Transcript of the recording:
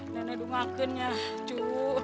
nenek udah makan ya cu